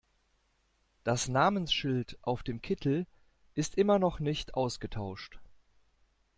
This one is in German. Das Namensschild auf dem Kittel ist immer noch nicht ausgetauscht.